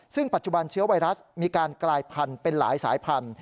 ซึ่งปัจจุบันเชื้อไวรัสมีการกลายพันธุ์เป็นหลายสายพันธุ